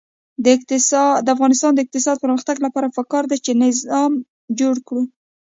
د افغانستان د اقتصادي پرمختګ لپاره پکار ده چې نظم جوړ کړو.